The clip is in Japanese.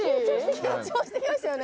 緊張して来ましたよね。